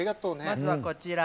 まずはこちら。